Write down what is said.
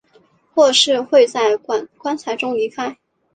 或是会在棺材中离开。